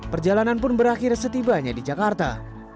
perjalanan pun berakhir setibanya di jakarta